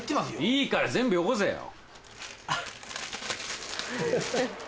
いいから全部よこせよ！